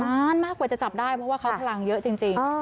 นานมากกว่าจะจับได้เพราะว่าเขาพลังเยอะจริง